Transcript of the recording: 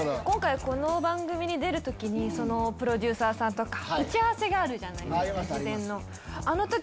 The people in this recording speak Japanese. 今回この番組に出る時にプロデューサーさんとか打ち合わせがある事前の。